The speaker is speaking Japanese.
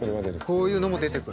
こういうのも出てくる。